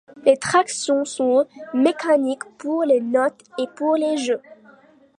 Les tractions sont mécaniques pour les notes et pour les jeux.